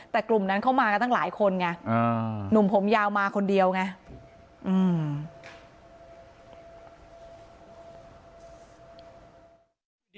แต่กลุ่มนั้นเข้ามากันตั้งหลายคนไงอ่าหนุ่มผมยาวมาคนเดียวไงอืม